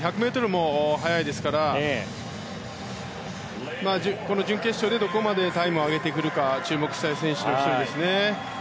１００ｍも速いですからこの準決勝でどこまでタイムを上げてくるか注目したい選手の１人ですね。